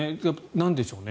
なんでしょうね？